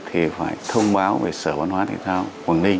thì phải thông báo về sở văn hóa thể thao quảng ninh